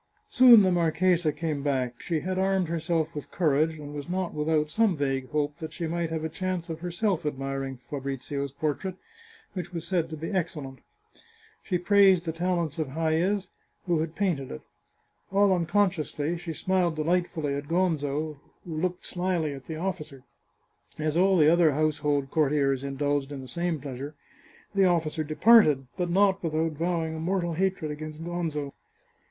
Soon the marchesa came back; she had armed herself with courage, and was not without some vague hope that she might have a chance of herself admiring Fabrizio's portrait, which was said to be excellent. She praised the talents of Hayez, who had painted it. All unconsciously, she smiled delightfully at Gonzo, who looked slyly at the officer. As all the other household cour tiers indulged in the same pleasure, the officer departed, but not without vowing a mortal hatred against Gonzo.